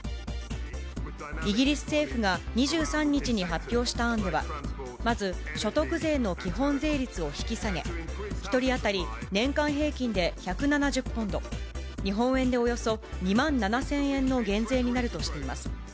イギリス政府が２３日に発表した案では、まず、所得税の基本税率を引き下げ、１人当たり年間平均で１７０ポンド、日本円でおよそ２万７０００円の減税になるとしています。